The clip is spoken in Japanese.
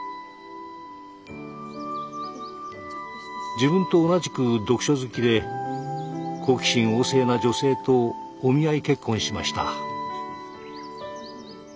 自分と同じく読書好きで好奇心旺盛な女性とお見合い結婚しました。